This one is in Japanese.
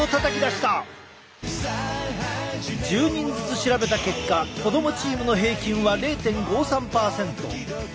１０人ずつ調べた結果子どもチームの平均は０．５３％。